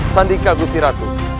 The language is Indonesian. sandika gusti ratu